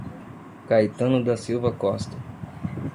Caetano da Silva Costa